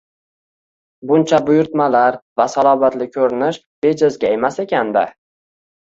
Buncha buyurtmalar va salobatli ko`rinish bejizga emas ekan-da